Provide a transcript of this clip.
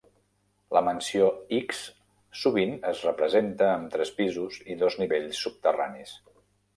La Mansió X sovint es representa amb tres pisos i dos nivells subterranis.